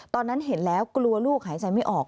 ตอนนั้นเห็นแล้วกลัวลูกหายใจไม่ออก